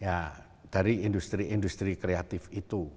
ya dari industri industri kreatif itu